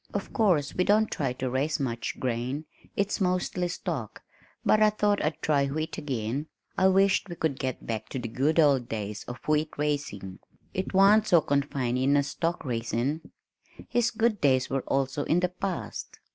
Of course we don't try to raise much grain it's mostly stock, but I thought I'd try wheat again. I wisht we could get back to the good old days of wheat raising it w'ant so confining as stock raisin'." His good days were also in the past!